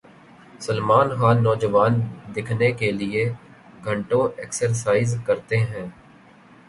سلمان خان نوجوان دکھنے کیلئے گھنٹوں ایکسرسائز کرتے ہیں